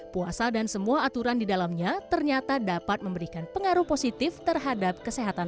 puasa dan semua aturan di dalamnya ternyata dapat memberikan pengaruh positif terhadap kesehatan